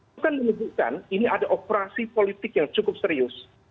itu kan menunjukkan ini ada operasi politik yang cukup serius